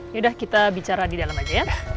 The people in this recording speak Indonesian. yaudah kita bicara di dalam aja ya